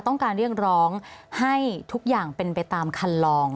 ต้องการเรียกร้องให้ทุกอย่างเป็นไปตามคันลอง